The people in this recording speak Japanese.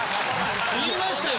言いましたよ。